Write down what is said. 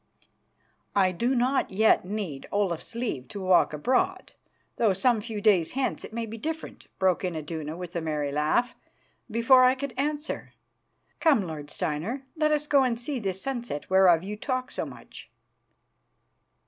"I do not yet need Olaf's leave to walk abroad, though some few days hence it may be different," broke in Iduna, with a merry laugh, before I could answer. "Come, lord Steinar, let us go and see this sunset whereof you talk so much."